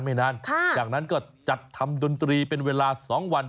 ไม่นานจากนั้นก็จัดทำดนตรีเป็นเวลา๒วัน